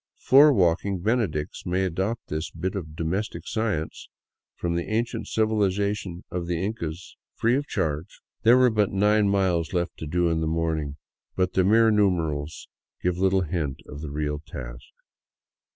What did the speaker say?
Floor walking benedicts may adopt this bit of domestic science from the ancient civilization of the Incas free of charge. There were but nine miles left to do in the morning, but the mere numeral gives little hint of the real task.